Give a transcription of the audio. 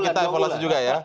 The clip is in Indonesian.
kita evaluasi juga ya